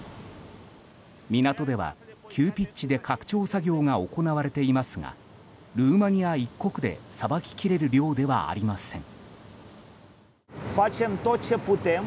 港では、急ピッチで拡張作業が行われていますがルーマニア一国でさばききれる量ではありません。